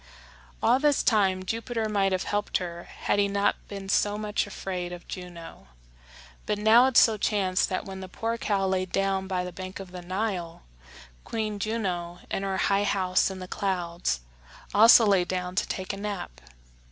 All this time Jupiter might have helped her had he not been so much afraid of Juno. But now it so chanced that when the poor cow lay down by the bank of the Nile, Queen Juno, in her high house in the clouds, also lay down to take a nap.